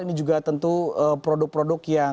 ini juga tentu produk produk yang